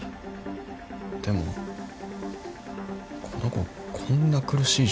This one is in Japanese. でもこの子こんな苦しい状況なのに。